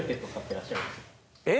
え？